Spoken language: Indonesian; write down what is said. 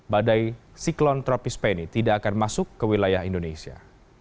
badai siklon tropis penny tidak akan masuk ke wilayah indonesia